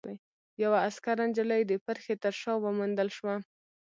يوه عسکره نجلۍ د پرښې تر شا وموندل شوه.